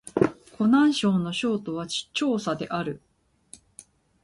湖南省の省都は長沙である